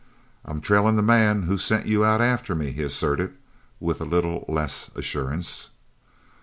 "I'm trailin' the man who sent you out after me," he asserted with a little less assurance.